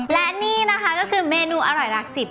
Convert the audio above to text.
และนี้นะคะก็คือเมนูอร่อยหลัก๑๐ของเรานี้นะคะ